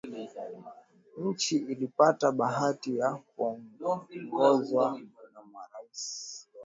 Nchi ilipata bahati ya kuongozwa na marais wawili